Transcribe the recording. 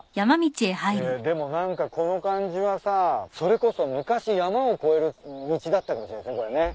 えっでも何かこの感じはさそれこそ昔山を越える道だったかもしれないですねこれね。